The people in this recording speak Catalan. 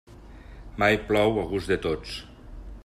Mai plou a gust de tots.